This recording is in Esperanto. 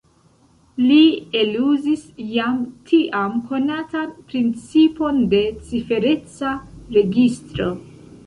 Li eluzis jam tiam konatan principon de cifereca registro.